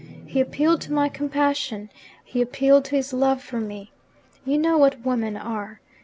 He appealed to my compassion; he appealed to his love for me. You know what women are.